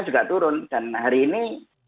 juga turun dan hari ini